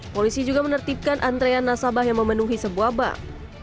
polisi juga menertibkan antrean nasabah yang memenuhi sebuah bank